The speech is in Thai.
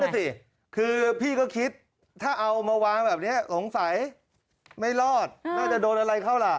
สิคือพี่ก็คิดถ้าเอามาวางแบบนี้สงสัยไม่รอดน่าจะโดนอะไรเข้าล่ะ